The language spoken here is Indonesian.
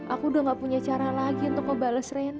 aku udah gak punya cara lagi untuk ngebales rain